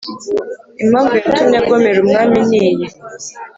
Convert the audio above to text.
Impamvu yatumye agomera umwami ni iyi